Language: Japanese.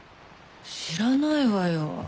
知らないわよ。